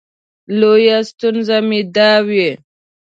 لویه ستونزه مې دا وي.